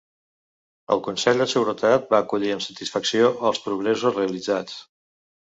El Consell de Seguretat va acollir amb satisfacció els progressos realitzats.